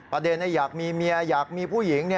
ประเด็นอยากมีเมียอยากมีผู้หญิง